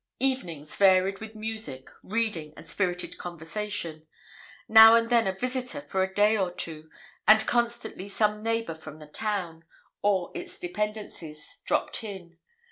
Evenings varied with music, reading, and spirited conversation. Now and then a visitor for a day or two, and constantly some neighbour from the town, or its dependencies, dropt in.